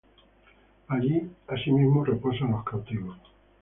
Allí asimismo reposan los cautivos;